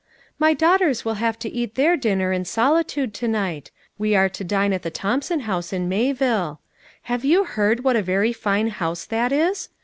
"My daughters will have to eat their dinner in soli tude to night; we are to dine at the Thompson House in Mayville. Have you heard what a very fine house that is?